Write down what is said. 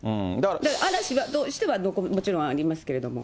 嵐としてはもちろんありますけれども。